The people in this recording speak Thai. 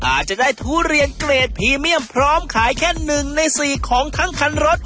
อาจจะได้ทุเรียนเกรดพรีเมียมพร้อมขายแค่๑ใน๔ของทั้งคันรถ